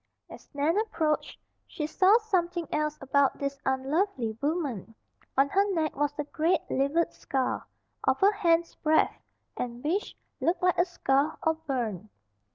As Nan approached she saw something else about this unlovely woman. On her neck was a great, livid scar, of a hand's breadth, and which looked like a scald, or burn.